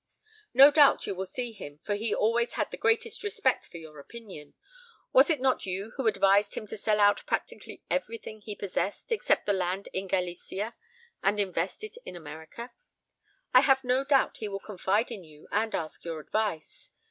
"No doubt you will see him, for he always had the greatest respect for your opinion was it not you who advised him to sell out practically everything he possessed, except the land in Galicia, and invest it in America? I have no doubt he will confide in you and ask your advice.